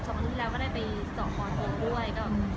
ช่วงอันที่แล้วก็ได้ได้ไปส่อกโมโตท์โดย